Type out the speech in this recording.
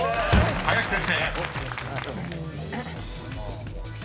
［林先生］